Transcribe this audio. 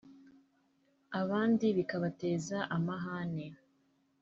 abandi bikabateza amahane